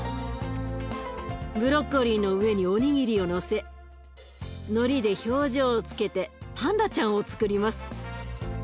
ブロッコリーの上におにぎりをのせのりで表情をつけてパンダちゃんをつくります。